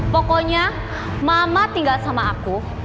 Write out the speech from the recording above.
pokoknya mama tinggal sama aku